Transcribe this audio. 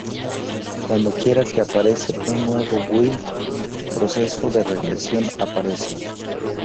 Cuando quiera que aparece un nuevo build, el proceso de regresión aparece.